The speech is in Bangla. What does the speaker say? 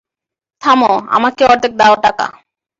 থামো, আমাকে অর্ধেক দাও টাকা।